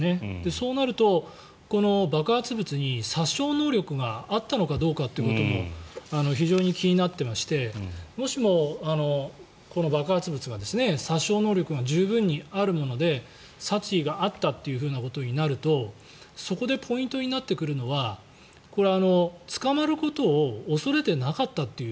そうなると、爆発物に殺傷能力があったのかどうかということも非常に気になってましてもしもこの爆発物が殺傷能力が十分にあるもので殺意があったということになるとそこでポイントになってくるのは捕まることを恐れてなかったという。